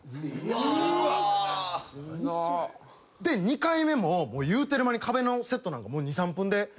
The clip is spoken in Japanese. で２回目も言うてる間に壁のセットなんか２３分で。